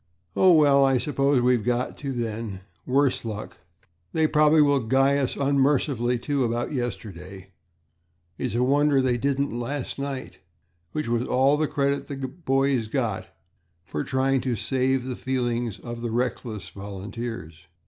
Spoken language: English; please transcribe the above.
"Oh, well, I suppose we've got to, then, worse luck. They probably will guy us unmercifully, too, about yesterday. It's a wonder they didn't, last night," which was all the credit the boys got for trying to save the feelings of the reckless volunteers.